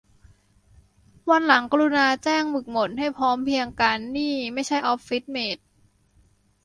วันหลังกรุณาแจ้งหมึกหมดให้พร้อมเพรียงกัน นี่ไม่ใช่ออฟฟิศเมท